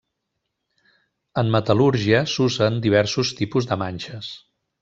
En metal·lúrgia s'usen diversos tipus de manxes.